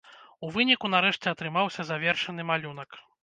У выніку, нарэшце атрымаўся завершаны малюнак.